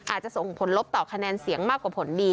อาจจะส่งผลลบต่อคะแนนเสียงมากกว่าผลดี